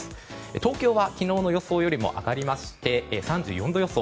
東京は昨日の予想よりも上がりまして３４度予想。